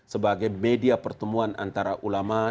sebagai media pertemuan antara ulama